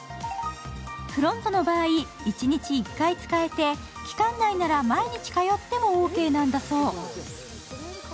ＰＲＯＮＴＯの場合、一日１回使えて期間内なら毎日通ってもオーケーなんだそう。